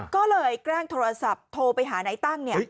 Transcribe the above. ก็เลยแกล้งโทรศัพท์โทรไปหาในตั้งเนี่ย